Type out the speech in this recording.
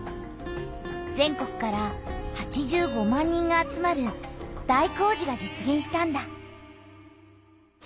全国から８５万人が集まる大工事が実げんしたんだ。